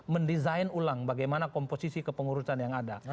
mendesain ulang bagaimana komposisi kepengurusan yang ada